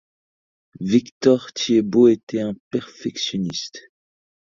Victor Thiébaut était un perfectionniste.